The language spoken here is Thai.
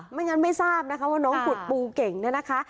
ไม่งั้นไม่ทราบนะคะว่าน้องขุดปูเก่งเนี่ยนะคะ